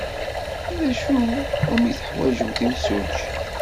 D acu umi teḥwajemt imsujji?